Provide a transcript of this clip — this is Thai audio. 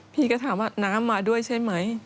พี่ก็ถามว่าน้ำมาด้วยใช่ไหม